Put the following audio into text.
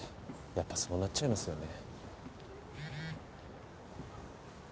やっぱそうなっちゃいますよね。